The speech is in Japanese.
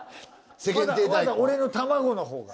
まだ俺の卵のほうが。